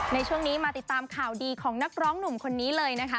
ในช่วงนี้มาติดตามข่าวดีของนักร้องหนุ่มคนนี้เลยนะคะ